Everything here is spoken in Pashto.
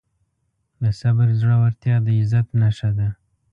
د صبر زړورتیا د عزت نښه ده.